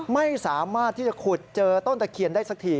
ไม่สามารถที่จะขุดเจอต้นตะเคียนได้สักที